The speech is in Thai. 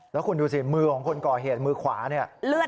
แล้วคุณดูสิมือของคนก่อเหตุมือขวาเนี่ย